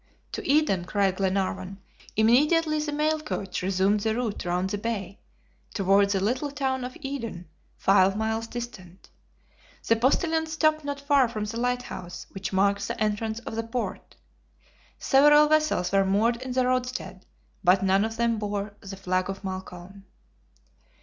"To Eden!" cried Glenarvan. Immediately the mail coach resumed the route round the bay, toward the little town of Eden, five miles distant. The postilions stopped not far from the lighthouse, which marks the entrance of the port. Several vessels were moored in the roadstead, but none of them bore the flag of Malcolm.